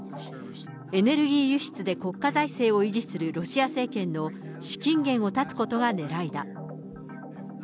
エネルギー輸出で国家財政を維持するロシア政権の資金源を断つことがねらいだ。